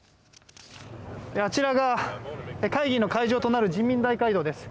あちらが会議の会場となる人民大会堂です。